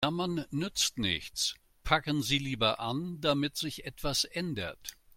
Jammern nützt nichts, packen Sie lieber an, damit sich etwas ändert.